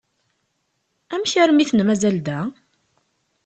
Amek armi i ten-mazal da?